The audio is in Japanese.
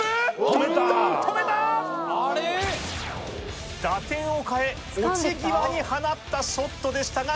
おっと打点を変え落ち際に放ったショットでしたが